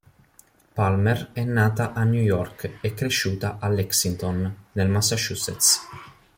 Palmer è nata a New York e cresciuta a Lexington, nel Massachusetts.